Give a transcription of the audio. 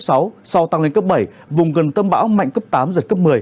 sau tăng lên cấp bảy vùng gần tâm bão mạnh cấp tám giật cấp một mươi